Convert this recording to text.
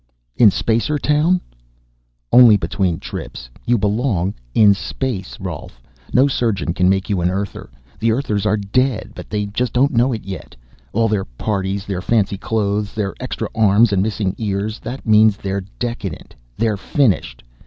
"In Spacertown?" "Only between trips. You belong in space, Rolf. No surgeon can make you an Earther. The Earthers are dead, but they don't know it yet. All their parties, their fancy clothes, their extra arms and missing ears that means they're decadent. They're finished.